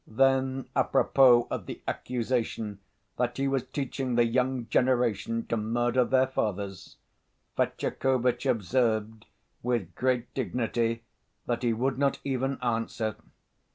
Then, à propos of the accusation that he was teaching the young generation to murder their fathers, Fetyukovitch observed, with great dignity, that he would not even answer.